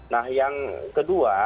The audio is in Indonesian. nah yang kedua